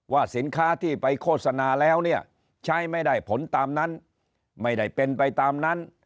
สินค้าที่ไปโฆษณาแล้วเนี่ยใช้ไม่ได้ผลตามนั้นไม่ได้เป็นไปตามนั้น